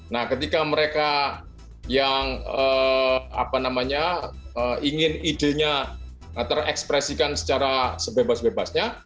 nah ketika mereka yang ingin idenya terekspresikan secara sebebas bebasnya